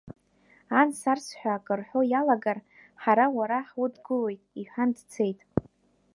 Анс-арс ҳәа акы рҳәо иалагар, ҳара уара ҳудгылоит, — иҳәан дцеит.